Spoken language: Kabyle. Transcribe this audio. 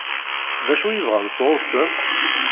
D acu i bɣan sɣur-sen?